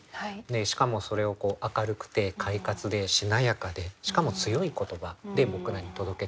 しかもそれを明るくて快活でしなやかでしかも強い言葉で僕らに届けてくれる詩人だと思いますね。